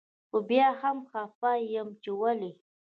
خو بيا هم خپه يم چي ولي